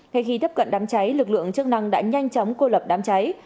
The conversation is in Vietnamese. ngay khi tiếp cận đám cháy lực lượng chức năng đã nhanh chóng cô lập đám cháy